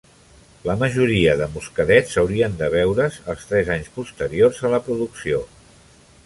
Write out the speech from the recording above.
La majoria de muscadets haurien de beure"s als tres anys posteriors a la producció.